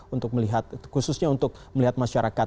untuk melihat khususnya untuk melihat masyarakat